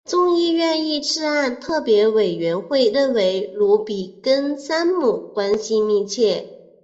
众议院遇刺案特别委员会认为鲁比跟山姆关系密切。